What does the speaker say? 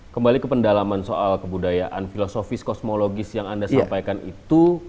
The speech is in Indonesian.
kembali ke pendalaman soal kebudayaan filosofis kosmologis yang anda sampaikan itu